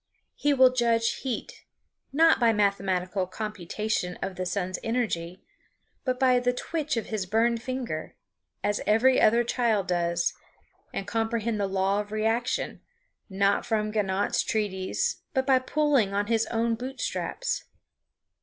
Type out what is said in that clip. He will judge heat, not by mathematical computation of the sun's energy, but by the twitch of his burned finger, as every other child does; and comprehend the law of reaction, not from Ganot's treatise, but by pulling on his own boot straps.